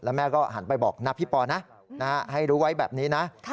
แม่ก็หันไปบอกนะพี่ปอนะให้รู้ไว้แบบนี้นะ